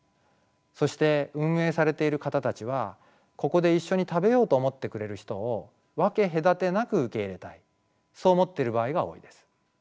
そして運営されている方たちはここで一緒に食べようと思ってくれる人を分け隔てなく受け入れたいそう思っている場合が多いです。